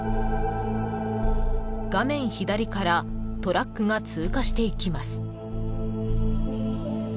［画面左からトラックが通過していきます］